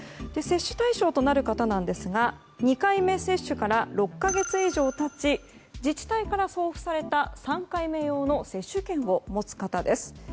接種対象となる方なんですが２回目接種から６か月以上経ち自治体から送付された３回目用の接種券を持つ方です。